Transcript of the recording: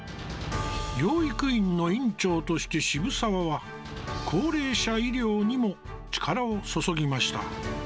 養育院の院長として渋沢は、高齢者医療にも力を注ぎました。